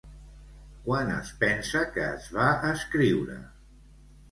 Quan es pensa que es va escriure?